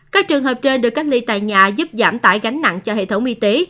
các trường hợp trên được cách ly tại nhà giúp giảm tải gánh nặng cho hệ thống y tế